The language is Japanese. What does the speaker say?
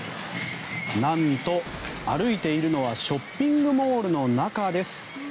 なんと、歩いているのはショッピングモールの中です。